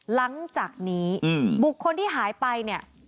หลังจากนี้บุคคลที่หายไปเนี่ย